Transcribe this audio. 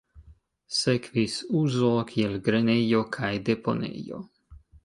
Sekvis uzo kiel grenejo kaj deponejo.